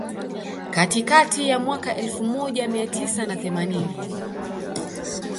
Katikati ya mwaka elfu moja mia tisa na themanini